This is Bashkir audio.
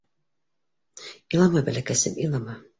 — Илама, бәләкәсем, илама.